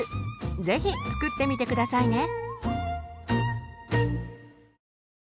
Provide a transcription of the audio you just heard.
是非作ってみて下さいね。